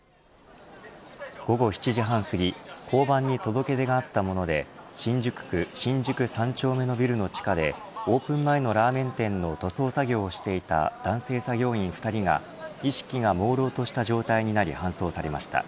午後７時半すぎ交番に届け出があったもので新宿区新宿３丁目のビルの地下でオープン前のラーメン店の塗装作業をしていた男性作業員２人が意識がもうろうとした状態になり搬送されました。